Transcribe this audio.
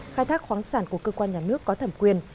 khai thác khoáng sản của cơ quan nhà nước có thẩm quyền